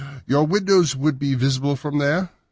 Your windows would be visible from there?"